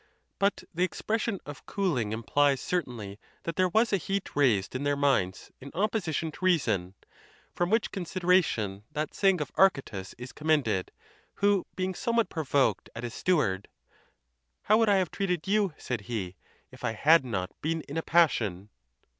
But the expression of cooling implies, cer tainly, that there was a heat raised in their minds in op position to reason; from which consideration that saying of Archytas is commended, who being somewhat provoked at his steward, " How would I have treated you," said he, "if I had not been in a passion